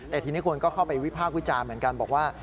แต่ทีนี้คนก็เข้าไปวิพากษ์วิจารณ์เหมือนกันบอกว่า